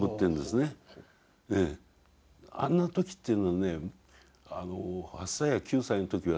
あんな時っていうのはね８歳や９歳の時はね